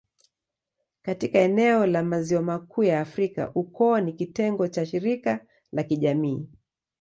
Katika eneo la Maziwa Makuu ya Afrika, ukoo ni kitengo cha shirika la kijamii.